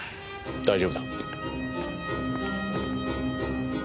大丈夫だ。